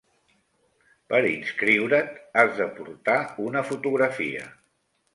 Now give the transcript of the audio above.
Per inscriure't has de portar una fotografia.